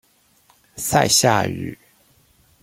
賽夏語